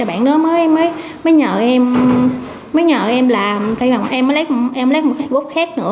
bạn đó mới nhờ em làm em mới lấy một facebook khác